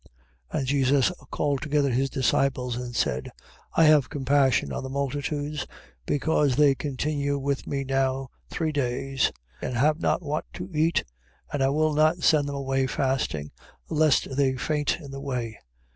15:32. And Jesus called together his disciples, and said: I have compassion on the multitudes, because they continue with me now three days, and have not what to eat, and I will not send them away fasting, lest they faint in the way.